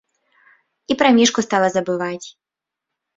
І пра мішку стала забываць.